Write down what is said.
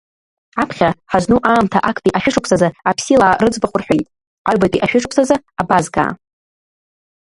Аԥхьа, ҳазну аамҭа актәи ашәышықәсазы аԥсилаа рыӡбахә рҳәеит, аҩбатәи ашәышықәсазы абазгаа.